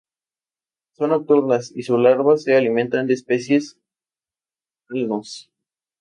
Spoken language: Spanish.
Son nocturnas, y sus larvas se alimentan de especies Alnus.